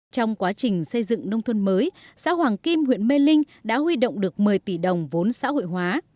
trong quá trình xây dựng nông thôn mới xã hoàng kim huyện mê linh đã huy động được một mươi tỷ đồng vốn xã hội hóa